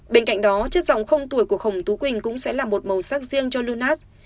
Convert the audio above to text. bên cạnh đó chất giọng không tuổi của khổng tú quỳnh cũng sẽ là một màu sắc riêng cho lunas